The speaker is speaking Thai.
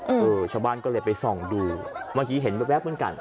เออชาวบ้านก็เลยไปส่องดูเมื่อกี้เห็นแว๊บเหมือนกัน